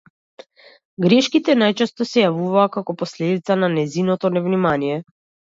Грешките најчесто се јавуваа како последица на нејзиното невнимание.